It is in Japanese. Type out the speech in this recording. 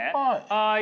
はい。